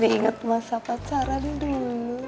bisa diinget masa pacaran dulu